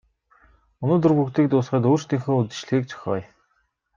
Өнөөдөр бүгдийг дуусгаад өөрсдийнхөө үдэшлэгийг зохиоё.